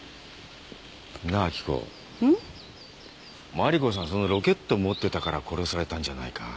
麻里子さんそのロケット持ってたから殺されたんじゃないか。